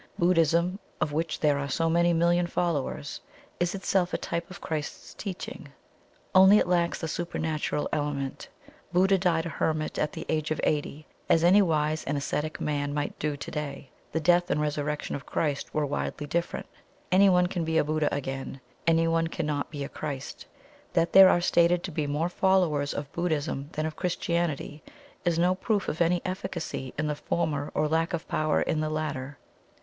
Buddhism, of which there are so many million followers, is itself a type of Christ's teaching; only it lacks the supernatural element. Buddha died a hermit at the age of eighty, as any wise and ascetic man might do to day. The death and resurrection of Christ were widely different. Anyone can be a Buddha again; anyone can NOT be a Christ. That there are stated to be more followers of Buddhism than of Christianity is no proof of any efficacy in the former or lack of power in the latter.